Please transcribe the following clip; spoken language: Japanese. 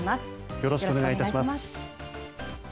よろしくお願いします。